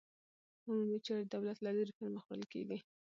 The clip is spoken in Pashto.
عمومي چارې د دولت له لوري پرمخ وړل کېږي.